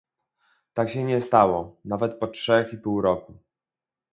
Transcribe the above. Tak się nie stało, nawet po trzech i pół roku